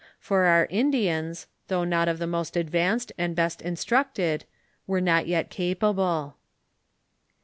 For our Indians, though of the most advanced and best instructed, were not yet capable.